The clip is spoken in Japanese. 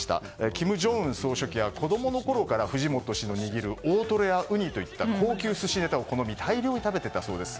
金正恩総書記は子供のころから藤本氏の握る大トロやウニなど高級寿司ネタを好み大量に食べていたそうです。